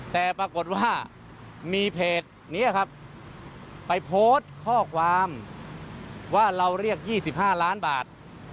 แต่ปรากฏว่ามีเพจนี้ครับไปโพสต์ข้อความว่าเราเรียก๒๕ล้านบาท